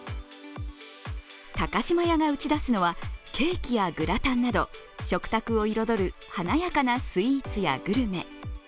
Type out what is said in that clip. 高島屋が打ち出すのはケーキやグラタンなど食卓を彩る華やかなスイーツやグルメ。